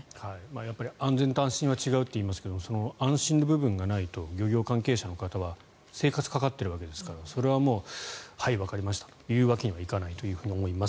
やっぱり安全と安心は違うって言いますけどその安心の部分がないと漁業関係者の方は生活かかっているわけですからそれは、はい、わかりましたとは行かないと思います。